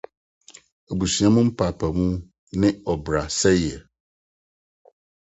Abusua mu Mpaapaemu ne Ɔbrasɛe.